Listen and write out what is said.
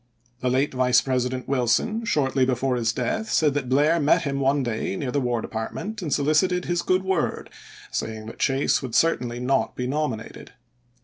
The late Vice President Wilson, shortly before his Nov 22 death, said that Blair met him one day near the im. War Department and solicited his good word, say ing that Chase would certainly not be nominated.